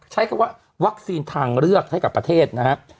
ใช้คำว่าวัคซีนทางเลือกให้กับประเทศนะครับ